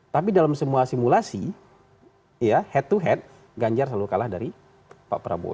tapi dalam semua simulasi ya head to head ganjar selalu kalah dari pak prabowo